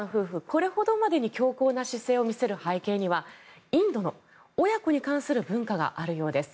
これほどまでに強硬な姿勢を見せる背景にはインドの親子に関する文化があるようです。